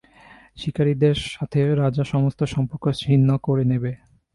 শিকারীদের সাথে রাজা সমস্ত সম্পর্ক ছিন্ন করে নেবে।